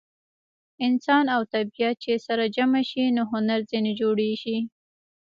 انسان او طبیعت چې سره جمع شي نو هنر ځینې جوړ شي.